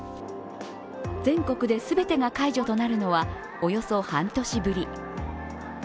全国で全てが解除となるのはおよそ半年ぶり。